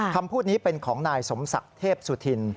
คำพูดนี้เป็นของนายสมศักดิ์เทพสุธิน